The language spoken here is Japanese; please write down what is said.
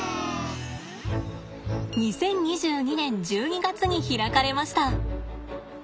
２０２２年１２月に開かれました